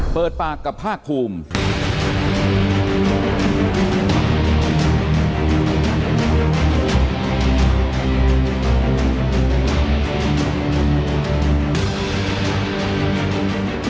เปิดปากกับภาคภูมิ